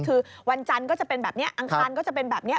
คือวันจันทร์ก็จะเป็นแบบนี้อังคารก็จะเป็นแบบนี้